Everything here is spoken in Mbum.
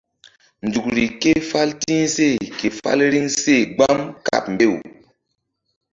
Nzukri ké fál ti̧h seh ke fál riŋ seh gbam kaɓ mbew.